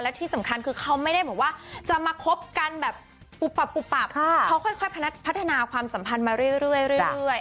ที่สำคัญคือเขาไม่ได้บอกว่าจะมาคบกันแบบปุบปับปุ๊บปับเขาค่อยพัฒนาความสัมพันธ์มาเรื่อย